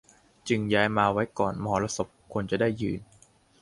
จึงย้ายมาไว้ก่อนมหรสพ คนจะได้ยืน